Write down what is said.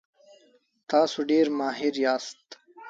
تاسو ډیر ماهر یاست.